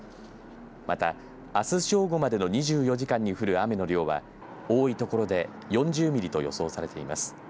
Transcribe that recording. また、あす正午までの２４時間に降る雨の量は多いところで４０ミリと予想されています。